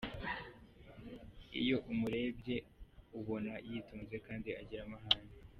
Iyo umurebye ubona yitonze kandi agira amahane.